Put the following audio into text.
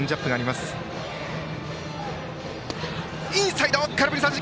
インサイド、空振り三振。